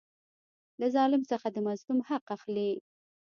له ظالم څخه د مظلوم حق اخلي.